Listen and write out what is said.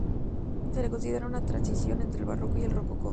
Se le considera una transición entre el Barroco y el Rococó.